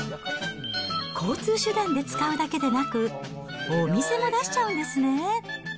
交通手段で使うだけでなく、お店も出しちゃうんですね。